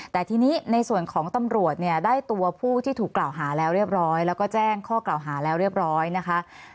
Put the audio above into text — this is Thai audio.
แต่ทีนี้ในส่วนของตำรวจเนี่ยได้ตัวผู้ที่ถูกกล่าวหาแล้วเรียบร้อยแล้วก็แจ้งข้อกล่าวหาแล้วเรียบร้อยนะคะ